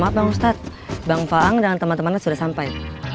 maaf bang ustadz bang faang dan teman teman sudah sampai